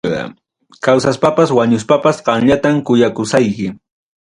Kawsaspapas wañuspapas qamllatam kuyakusayki.